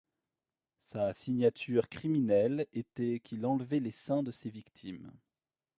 Sa signature criminelle était qu'il enlevait les seins de ses victimes.